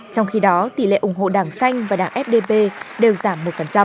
trong khi đó tỷ lệ ủng hộ đảng xanh và đảng fdi đều giảm một